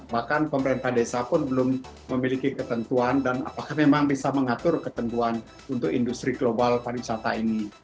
bahkan pemerintah desa pun belum memiliki ketentuan dan apakah memang bisa mengatur ketentuan untuk industri global pariwisata ini